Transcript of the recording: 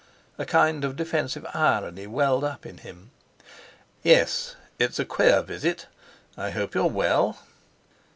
A kind of defensive irony welled up in him. "Yes, it's a queer visit! I hope you're well."